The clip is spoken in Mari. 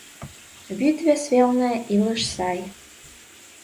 Вӱд вес велне илыш сай